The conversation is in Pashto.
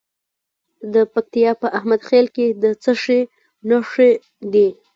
د پکتیا په احمد خیل کې د څه شي نښې دي؟